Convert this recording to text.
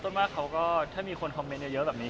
เฑิร์นหน้าถ้ามีคนคอมเมนต์เยอะแบบนี้